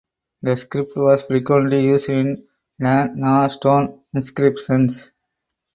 The script was frequently used in Lan Na stone inscriptions.